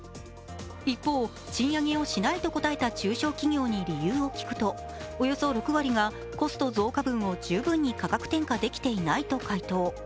一方、賃上げをしないと答えた中小企業に理由を聞くとおよそ６割がコスト増加分を十分に価格転嫁できていないと回答。